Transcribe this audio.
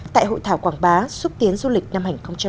tại hội thảo quảng bá xúc tiến du lịch năm hai nghìn hai mươi